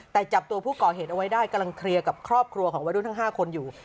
แต่จับตัวผู้ก่อเหตุเอาไว้ได้กำลังเคลียร์กับครอบครัวของวัยรุ่นทั้ง๕คนอยู่